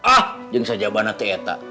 ah yang saja bana teta